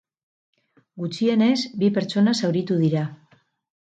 Gutxienez bi pertsona zauritu dira.